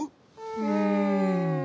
うん。